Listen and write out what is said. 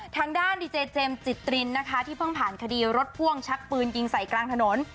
ทางด้านดีเจเจมส์จิตรินนะคะที่เพิ่งผ่านคดีรถพ่วงชักปืนยิงใส่กลางถนน